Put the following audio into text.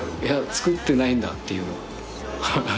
作ってないんだっていうのが。